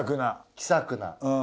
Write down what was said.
気さくな。